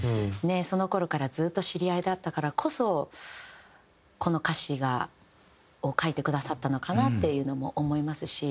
その頃からずっと知り合いだったからこそこの歌詞を書いてくださったのかなっていうのも思いますし。